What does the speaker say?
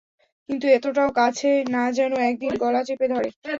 কিন্তু এতটাও কাছে না যেন একদিন গলা চিপে ধরে।